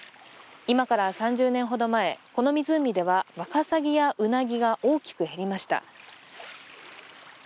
今から３０年ほど前、この湖ではワカサギやウナギが大きく減りました。